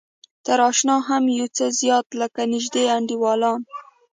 تر اشنا هم يو څه زيات لکه نژدې انډيوال.